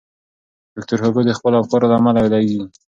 ویکټور هوګو د خپلو افکارو له امله یادېږي.